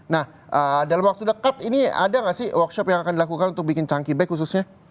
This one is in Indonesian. nah dalam waktu dekat ini ada nggak sih workshop yang akan dilakukan untuk bikin cangki back khususnya